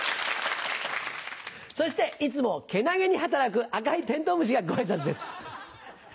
そしていつもけなげに働く赤いテントウムシがご挨拶です。